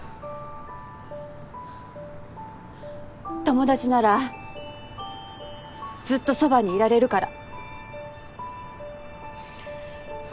友達ならずっとそばにいられるから。